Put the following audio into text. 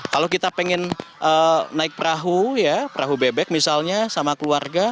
kalau kita pengen naik perahu ya perahu bebek misalnya sama keluarga